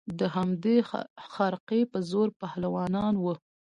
د همدې خرقې په زور پهلوانان وه